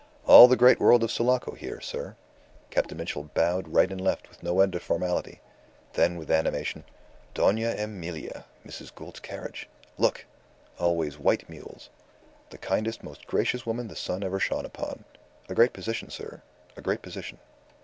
"All the great world of Sulaco here, sir." Captain Mitchell bowed right and left with no end of formality; then with animation, "Dona Emilia, Mrs. Gould's carriage. Look. Always white mules. The kindest, most gracious woman the sun ever shone upon. A great position, sir. A great position.